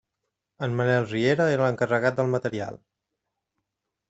En Manel Riera era l'encarregat del material.